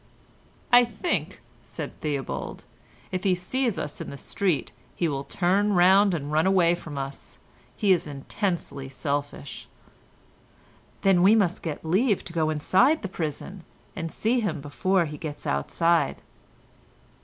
"I think," said Theobald, "if he sees us in the street he will turn round and run away from us. He is intensely selfish." "Then we must get leave to go inside the prison, and see him before he gets outside."